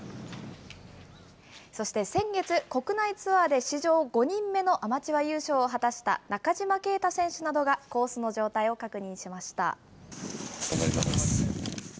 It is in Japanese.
そして先月、国内ツアーで史上５人目のアマチュア優勝を果たした、中島啓太選手などがコースの状態を確認しました。